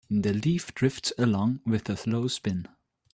The leaf drifts along with a slow spin.